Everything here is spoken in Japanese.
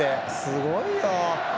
すごいよ。